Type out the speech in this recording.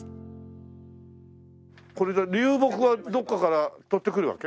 これじゃあ流木はどこかから取ってくるわけ？